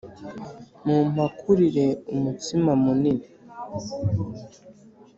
Mumpakurire umutsima munini